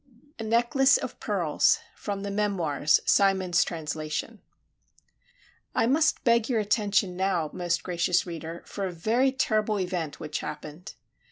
A NECKLACE OF PEARLS From the 'Memoirs': Symonds's Translation I must beg your attention now, most gracious reader, for a very terrible event which happened.